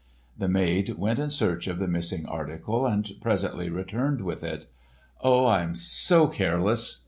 The maid went in search of the missing article and presently returned with it. "Oh, I am so careless!"